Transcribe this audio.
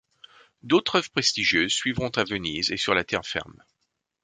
D'autres œuvres prestigieuses suivront à Venise et sur la terre ferme.